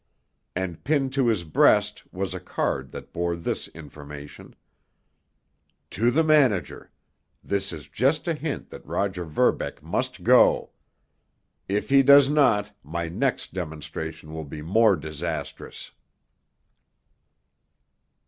And pinned to his breast was a card that bore this information: To the Manager: This is just a hint that Roger Verbeck must go. If he does not, my next demonstration will be more disastrous.